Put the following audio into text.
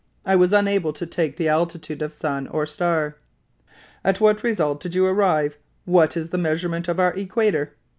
I was unable to take the altitude of sun or star." "At what result did you arrive? What is the measurement of our equator?"